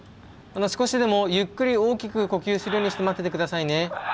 少しでもゆっくり大きく呼吸するようにして待ってて下さいね。